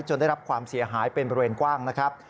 ได้รับความเสียหายเป็นบริเวณกว้างนะครับ